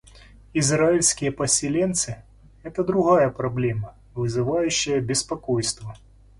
Израильские поселенцы — это другая проблема, вызывающая беспокойство.